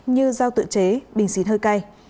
như dao tựa chế đình xín hơi cay